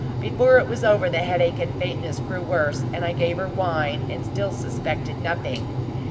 Before it was over, the headache and faintness grew worse, and I gave her wine, and still suspected nothing.